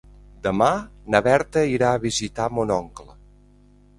Demà na Berta irà a visitar mon oncle.